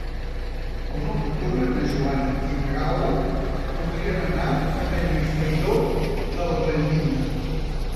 El nou d'octubre na Joana i na Gal·la voldrien anar a Benifairó de la Valldigna.